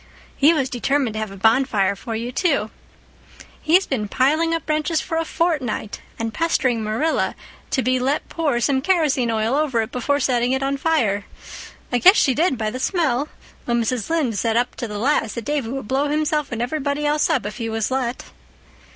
He was determined to have a bonfire for you, too. He's been piling up branches for a fortnight and pestering Marilla to be let pour some kerosene oil over it before setting it on fire. I guess she did, by the smell, though Mrs. Lynde said up to the last that Davy would blow himself and everybody else up if he was let."